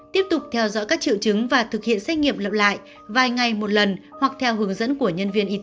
tiếp tục theo dõi các triệu chứng và thực hiện xét nghiệm lặng lại vài ngày một lần hoặc theo hướng dẫn của nhân viên y tế